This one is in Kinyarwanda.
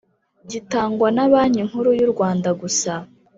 gitangwa na Banki Nkuru yurwanda gusa